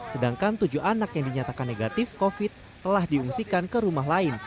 sedangkan tujuh anak yang dinyatakan negatif covid telah diungsikan ke rumah lain